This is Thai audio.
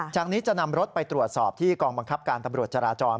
จากนี้จะนำรถไปตรวจสอบที่กองบังคับการตำรวจจราจร